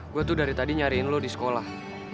gue tuh dari tadi nyariin lo di sekolah